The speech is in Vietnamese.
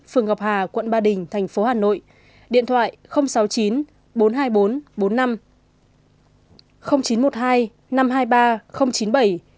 phường ngọc hà quận ba đình thành phố hà nội điện thoại sáu mươi chín bốn trăm hai mươi bốn bốn mươi năm